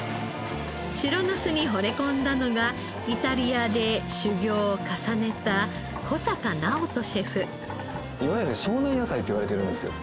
白ナスに惚れ込んだのがイタリアで修業を重ねたいわゆる湘南野菜って呼ばれてるんですよ。